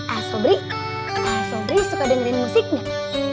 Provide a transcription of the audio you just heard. asobri asobri suka dengerin musik nggak